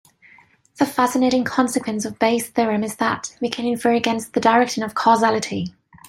The fascinating consequence of Bayes' theorem is that we can infer against the direction of causality.